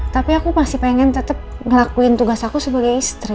tapi aku masih pengen tetap ngelakuin tugas aku sebagai istri